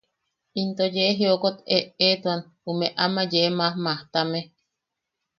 Into yee jiokot eʼeetuan ume ama yee majmajtame.